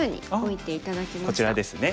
こちらですね。